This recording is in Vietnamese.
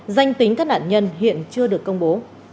danh tính các nạn nhân hiện chưa được công bố